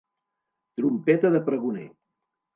Trompeta de pregoner.